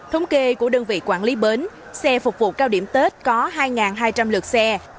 thống kê của đơn vị quản lý bến xe phục vụ cao điểm tết có hai hai trăm linh lượt xe